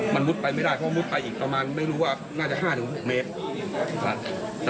มันมุดไปไม่ได้เพราะมุดไปอีกประมาณไม่รู้ว่าน่าจะ๕๖เมตร